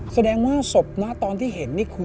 แสดงว่าศพตอนที่เห็นคือ